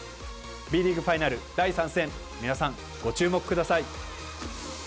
Ｂリーグファイナル第３戦皆さん、ご注目ください。